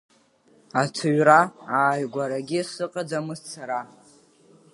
Аҭыҩра ааигәарагьы сыҟаӡамызт сара!